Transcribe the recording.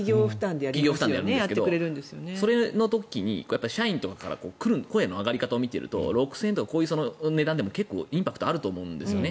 企業負担でやりますけどそれの時に社員とかから来る声の上がり方を見ていると６０００円とかこういう値段でも結構インパクトがあると思うんですよね。